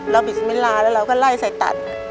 เราบิดไม่ลาแล้วเราก็ไล่ใส่ตัด